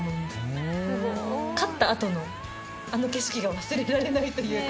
勝ったあとのあの景色が忘れられないというか。